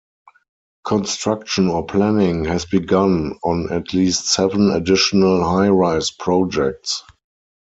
Construction or planning has begun on at least seven additional high-rise projects.